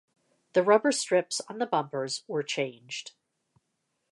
The rubber strips on the bumpers were changed.